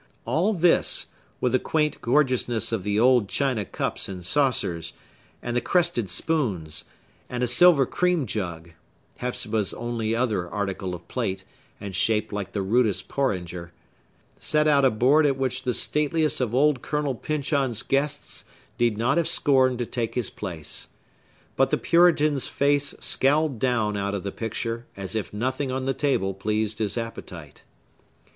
All this, with the quaint gorgeousness of the old china cups and saucers, and the crested spoons, and a silver cream jug (Hepzibah's only other article of plate, and shaped like the rudest porringer), set out a board at which the stateliest of old Colonel Pyncheon's guests need not have scorned to take his place. But the Puritan's face scowled down out of the picture, as if nothing on the table pleased his appetite.